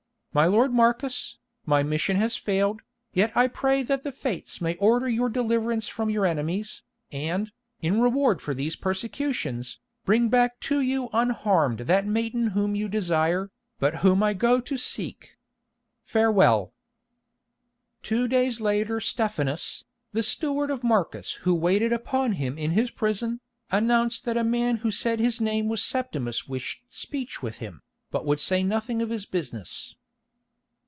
My lord Marcus, my mission has failed, yet I pray that the Fates may order your deliverance from your enemies, and, in reward for these persecutions, bring back to you unharmed that maiden whom you desire, but whom I go to seek. Farewell." Two days later Stephanus, the steward of Marcus who waited upon him in his prison, announced that a man who said his name was Septimus wished speech with him, but would say nothing of his business.